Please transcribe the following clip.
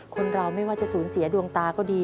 คนเราไม่ว่าจะสูญเสียดวงตาก็ดี